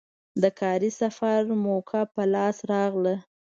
د کاري سفر موکه په لاس راغله.